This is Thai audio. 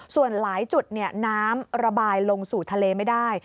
ส่วนหลายจุดน้ำระบายลงสู่ทะเลไม่ได้